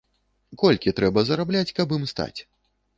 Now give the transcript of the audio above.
Колькі трэба зарабляць, каб ім стаць?